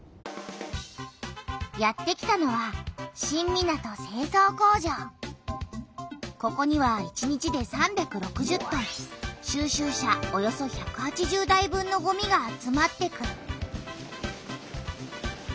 やってきたのはここには１日で３６０トン収集車およそ１８０台分のごみが集まってくる。